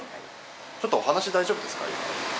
ちょっとお話大丈夫ですか？